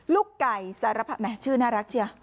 ลูกไก่สารภาพชื่อน่ารักใช่ไหม